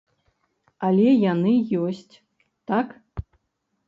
Але яны ёсць, так.